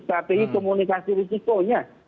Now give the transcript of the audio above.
strategi komunikasi risikonya